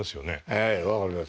はい分かります。